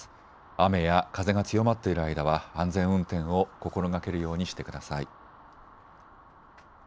雨や風が強まっている間は安全運転を心がけるようにしてください。